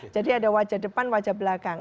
jadi ada wajah depan wajah belakang